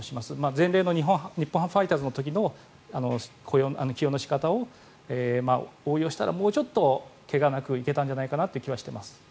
前例の日本ハムファイターズの時の起用の仕方を応用したらもうちょっと怪我なく行けたんじゃないかなという気がしています。